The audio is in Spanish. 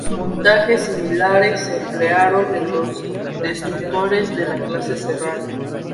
Montajes similares se emplearon en los destructores de la clase Serrano.